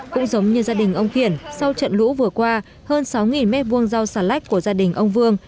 cũng giống như gia đình ông kiển sau trận lũ vừa qua hơn sáu m hai rau xà lách của gia đình ông vương